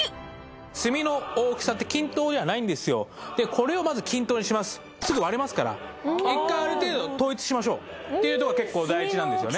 これをすぐ割れますから１回ある程度統一しましょうっていうとこが結構大事なんですよね